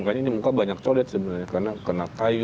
makanya ini muka banyak codet sebenarnya karena kena kayu